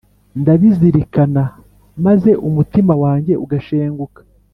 Ndabizirikana maze umutima wanjye ugashenguka;